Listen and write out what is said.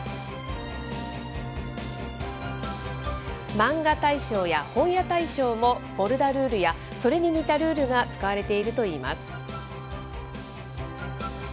マンガ大賞や本屋大賞もボルダルールや、それに似たルールが使われているといいます。